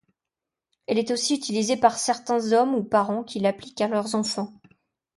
Elle est aussi utilisée par certains hommes ou parents qui l’appliquent à leurs enfants.